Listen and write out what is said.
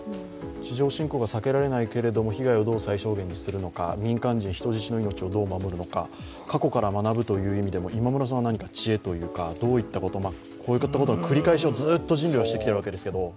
地上侵攻は避けられないけれど、被害をどれくらい最小限にするか、民間人、人質の命をどう守るのか過去から学ぶという意味でも今村さんは何か知恵というか、こういったことの繰り返しをずっと人類はしてきているわけですけど。